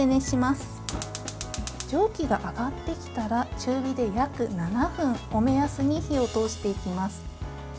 蒸気が上がってきたら中火で約７分を目安に火を通していきます。